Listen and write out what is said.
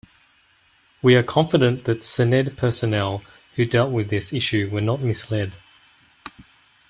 We are confident that Senedd personnel who dealt with this issue were not misled.